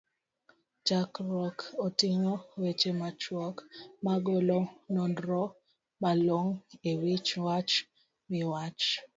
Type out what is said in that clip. chakruokne oting'o weche machuok, magolo nonro malongo e wich wach miwach